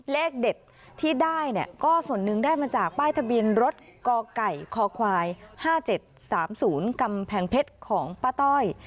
เลขเด็ดที่ได้เนี่ยก็ส่วนหนึ่งได้มาจากป้ายทะเบียนรถกไก่คควาย๕๗๓๐กำแพงเพชรของป้าต้อย